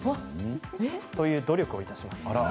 という努力をいたします。